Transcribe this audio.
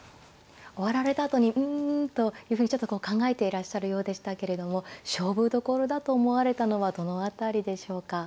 終わられたあとにうんというふうにちょっとこう考えていらっしゃるようでしたけれども勝負どころだと思われたのはどの辺りでしょうか。